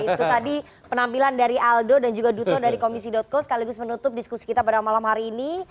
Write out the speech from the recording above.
itu tadi penampilan dari aldo dan juga duto dari komisi co sekaligus menutup diskusi kita pada malam hari ini